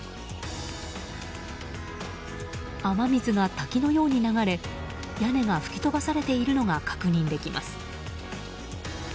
雨水が滝のように流れ屋根が吹き飛ばされているのが確認できます。